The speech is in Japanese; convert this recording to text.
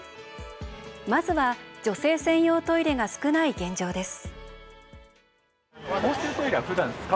まずは女性専用トイレが少ない現状です。